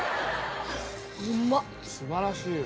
素晴らしいわ。